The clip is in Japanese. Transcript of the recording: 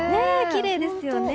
きれいですよね。